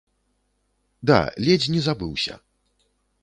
Да, ледзь не забыўся.